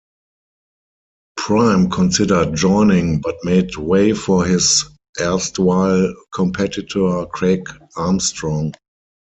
Prime considered joining but made way for his erstwhile competitor Craig Armstrong.